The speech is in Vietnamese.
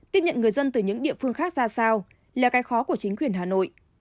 tiếp nhận người dân từ những địa phương khác ra sao là cái khó của chính quyền hà nội